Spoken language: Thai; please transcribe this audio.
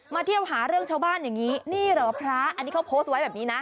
เที่ยวหาเรื่องชาวบ้านอย่างนี้นี่เหรอพระอันนี้เขาโพสต์ไว้แบบนี้นะ